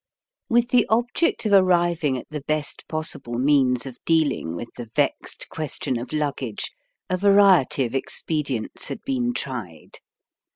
With the object of arriving at the best possible means of dealing with the vexed question of luggage, a variety of expedients had been tried.